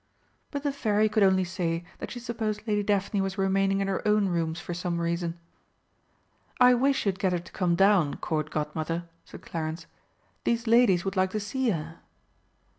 But the Fairy could only say that she supposed Lady Daphne was remaining in her own rooms for some reason. "I wish you'd get her to come down, Court Godmother," said Clarence. "These ladies would like to see her."